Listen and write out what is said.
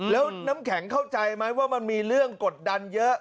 แล้วน้ำแข็งเข้าใจไหมว่ามันมีเรื่องกดดันเยอะ